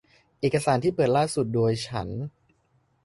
เอกสารที่เปิดล่าสุดโดยฉัน